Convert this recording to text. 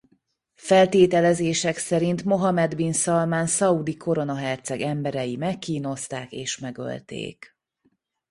Feltételezések szerint Mohamed bin Szalmán szaúdi koronaherceg emberei megkínozták és megölték.